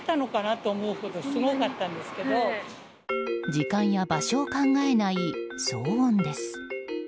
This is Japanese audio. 時間や場所を考えない騒音です。